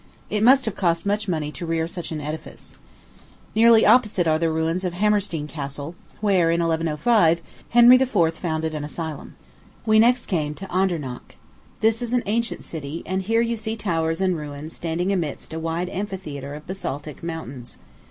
It must have cost much money to rear such an edifice. Nearly opposite are the ruins of Hammerstein Castle, where, in 1105, Henry IV. found an asylum. We next came to Andernach. This is an ancient city, and here you see towers and ruins standing amidst a wide amphitheatre of basaltic mountains.